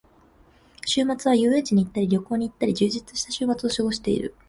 週末は遊園地に行ったり旅行に行ったり、充実した週末を過ごしている。